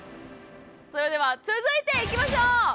それでは続いていきましょう！